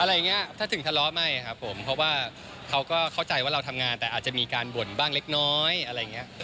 อะไรอย่างนี้ถ้าถึงทะเลาะไม่ครับผมเพราะว่าเขาก็เข้าใจว่าเราทำงานแต่อาจจะมีการบ่นบ้างเล็กน้อยอะไรอย่างเงี้ย